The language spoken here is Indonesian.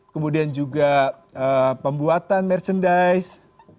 kemudian juga pembuatan merchandise